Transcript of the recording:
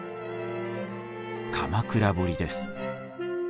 鎌倉彫です。